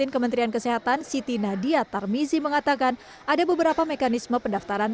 kementerian kesehatan siti nadia tarmizi mengatakan ada beberapa mekanisme pendaftaran